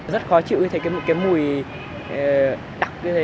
rất khó chịu như thấy cái mùi đặc như thế